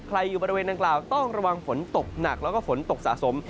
อยู่บริเวณดังกล่าวต้องระวังฝนตกหนักแล้วก็ฝนตกสะสม